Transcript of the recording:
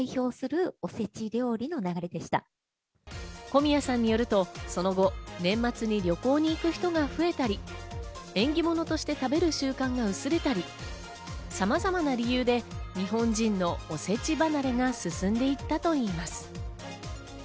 小宮さんによるとその後、年末に旅行に行く人が増えたり、縁起物として食べる習慣が薄れたり、様々な理由で日本人のおせち離れが進んでいったといいます。